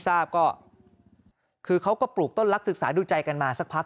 ทราบก็คือเขาก็ปลูกต้นรักศึกษาดูใจกันมาสักพัก